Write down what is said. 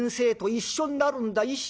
一緒になるんだ』。